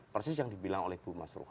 persis yang dibilang oleh bu mas ruhah